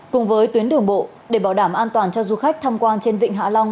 cùng với tuyến đường bộ để bảo đảm an toàn cho du khách tham quan trên vịnh hạ long